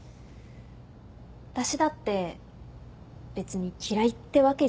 私だって別に嫌いってわけじゃないんだよ。